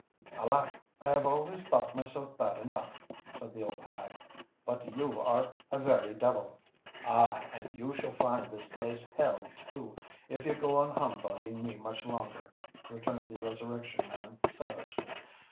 "Alack! I have always thought myself bad enough," said the old hag; "but you are a very devil." "Ah! and you shall find this place hell too, if you go on humbugging me much longer," returned the Resurrection Man, savagely.